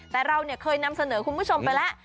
แต่เราเคยนำเสนอคุณผู้ชมไปแล้ว